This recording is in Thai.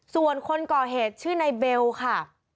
ส่วนคนก่อเหตุชื่อนายเบลค่ะ